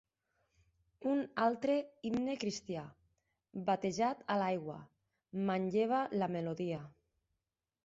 Un altre himne cristià, "Batejat a l'aigua", manlleva la melodia.